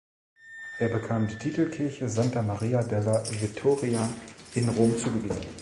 Er bekam die Titelkirche "Santa Maria della Vittoria in Rom" zugewiesen.